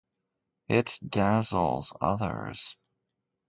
It dazzles others.